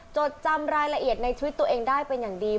จดจำรายละเอียดในชีวิตตัวเองได้เป็นอย่างดี